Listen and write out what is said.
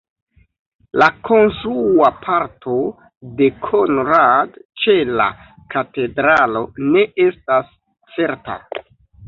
La konstrua parto de Konrad ĉe la katedralo ne estas certa.